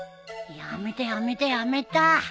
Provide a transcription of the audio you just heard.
やめたやめたやめた。